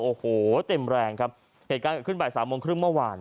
โอ้โหเต็มแรงครับเหตุการณ์เกิดขึ้นบ่ายสามโมงครึ่งเมื่อวาน